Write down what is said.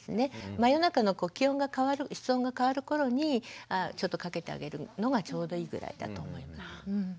真夜中の気温が変わる室温が変わる頃にちょっと掛けてあげるのがちょうどいいぐらいだと思います。